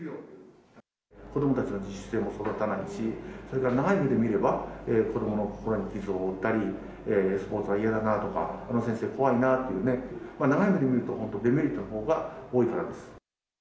子どもたちの自主性は育たないし、それから長い目で見れば、子どもの心に傷を負ったり、スポーツは嫌だなとか、この先生、怖いなっていう、長い目で見ると本当にデメリットのほうが多いからです。